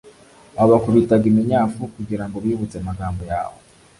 wabakubitaga iminyafu kugira ngo ubibutse amagambo yawe